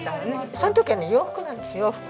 その時はね洋服なんです洋服。